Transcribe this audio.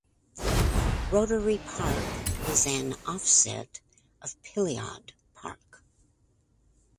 Rotary Park is an offset of Pilliod Park.